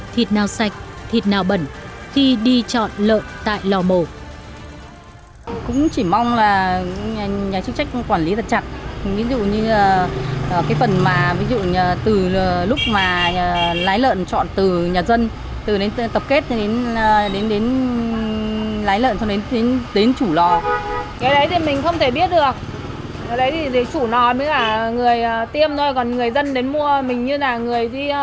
thịt nào sạch thịt nào bẩn khi đi chọn lợn tại lò mổ